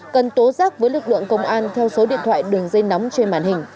cần tố giác với lực lượng công an theo số điện thoại đường dây nóng trên màn hình